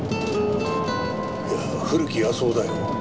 いや古木保男だよ。